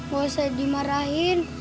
gak usah dimarahin